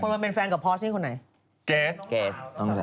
คนมันเป็นแฟนกับพอสคุณไหน